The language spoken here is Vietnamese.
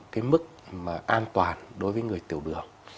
cái mức mà an toàn đối với người tiểu đường